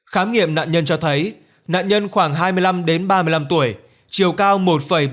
khám nghiệm nạn nhân cho thấy nạn nhân khoảng hai mươi năm ba mươi năm tuổi chiều cao một bốn mươi bảy m